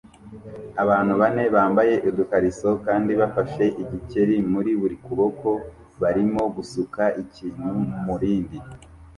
Abantu bane bambaye udukariso kandi bafashe igikeri muri buri kuboko barimo gusuka ikintu murindi